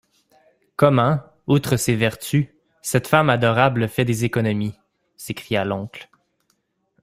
Comment, outre ses vertus, cette femme adorable fait des économies? s’écria l’oncle.